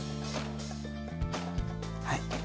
はい。